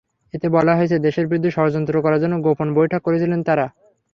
এতে বলা হয়েছে, দেশের বিরুদ্ধে ষড়যন্ত্র করার জন্য গোপন বৈঠক করেছিলেন তাঁরা।